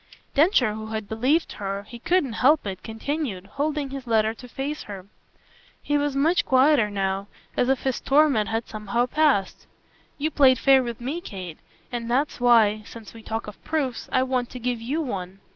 Densher, who had believed her he couldn't help it continued, holding his letter, to face her. He was much quieter now, as if his torment had somehow passed. "You played fair with me, Kate; and that's why since we talk of proofs I want to give YOU one.